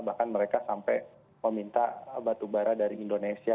bahkan mereka sampai meminta batubara dari indonesia